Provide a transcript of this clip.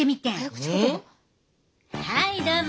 はいどうも。